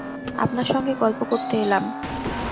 আপনার সঙ্গে গল্প করতে এলাম।